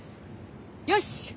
よし！